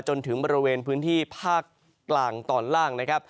จนถึงบริเวณพื้นที่ภาคกลางตอนล่างนะครับ